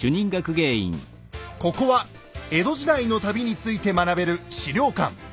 ここは江戸時代の旅について学べる資料館。